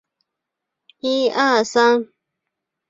海南金星蕨为金星蕨科金星蕨属下的一个种。